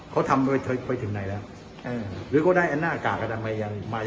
เขาทำไปถึงในและหรือก็ได้อันน่ากากมาอย่างไร